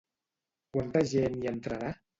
Quanta gent hi entrarà?